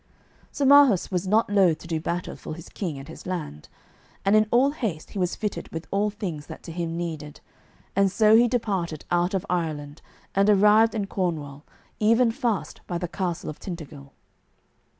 Sir Marhaus was not loath to do battle for his king and his land, and in all haste he was fitted with all things that to him needed, and so he departed out of Ireland and arrived in Cornwall even fast by the castle of Tintagil.